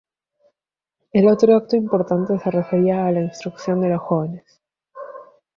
El otro acto importante se refería a la instrucción de los jóvenes.